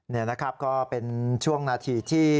นี่นะครับก็เป็นช่วงนาทีที่